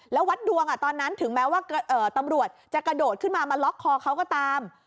แล้ววัดดวงตอนนั้นถึงแม้ว่าตำรวจจะกระโดดขึ้นมามาล็อกคอเขาก็ตาม